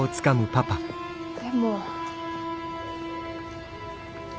でも。